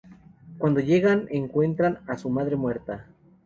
Cuando llegan, encuentran a su madre muerta.